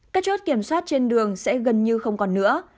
các chốt kiểm soát trên đường sẽ gần như không còn nữa